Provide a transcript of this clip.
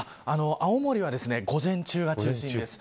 青森は午前中が中心です。